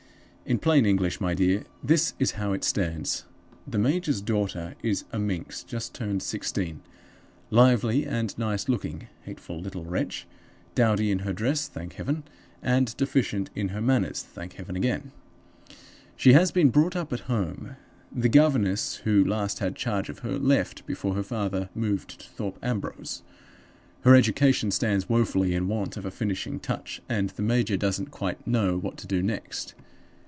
"In plain English, my dear, this is how it stands. The major's daughter is a minx just turned sixteen; lively and nice looking (hateful little wretch!), dowdy in her dress (thank Heaven!) and deficient in her manners (thank Heaven again!). She has been brought up at home. The governess who last had charge of her left before her father moved to Thorpe Ambrose. Her education stands woefully in want of a finishing touch, and the major doesn't quite know what to do next.